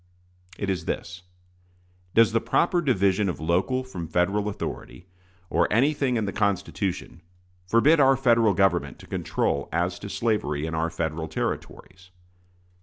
It is this: Does the proper division of local from Federal authority, or anything in the Constitution, forbid our Federal Government to control as to slavery in our Federal Territories?